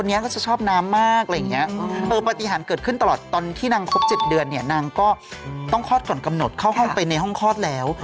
เออปฏิหารเกิดขึ้นตลอดตอนที่นางครบ๗เดือนเนี่ยนางก็ต้องคลอดก่อนกำหนดเข้าห้องไปในห้องคลอดแล้ว